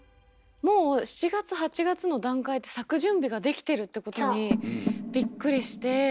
もう７月８月の段階で咲く準備ができてるってことにびっくりして。